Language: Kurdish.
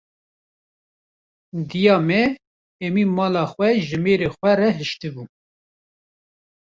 Diya me hemî malê xwe ji mêrê xwe re hişti bû.